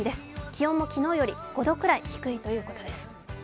気温も昨日より５度くらい低いということです。